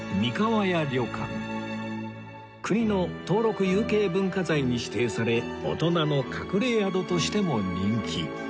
国の登録有形文化財に指定され大人の隠れ宿としても人気